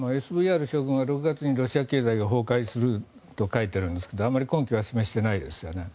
ＳＶＲ将軍は６月にロシア経済が崩壊すると書いてあるんですけどあまり根拠は示してないですよね。